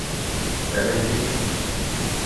É legítimo